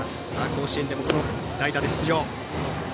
甲子園でも代打で出場。